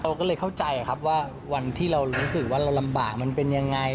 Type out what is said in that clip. เราก็เลยเข้าใจครับว่าวันที่เรารู้สึกว่าเราลำบากมันเป็นยังไง